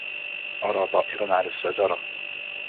أرى طائراً على الشجرة.